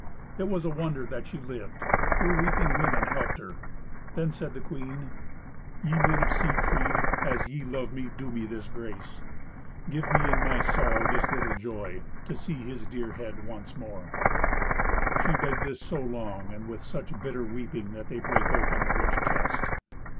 It was a wonder that she lived. Her weeping women helped her. Then said the queen, "Ye men of Siegfried, as ye love me, do me this grace. Give me, in my sorrow, this little joy: to see his dear head once more." She begged this so long, and with such bitter weeping, that they brake open the rich chest.